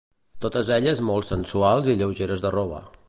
Totes elles molt sensuals i lleugeres de roba.